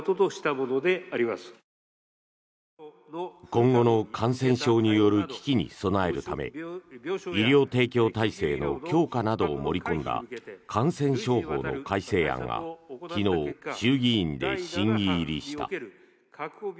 今後の感染症による危機に備えるため医療提供体制の強化などを盛り込んだ感染症法の改正案が昨日、衆議院で審議入りした。